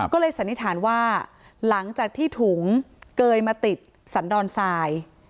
ก็เลยสันนิษฐานว่าหลังจากที่ถุงเกยมาติดสันดอนทราย